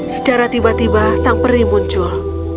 secara tiba tiba sang peri muncul